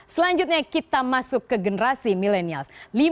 selanjutnya kita masuk ke generasi milenials